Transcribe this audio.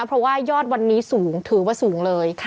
เพราะว่ายอดวันนี้สูงถือว่าสูงเลย